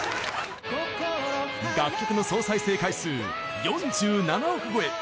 楽曲の総再生回数４７億超え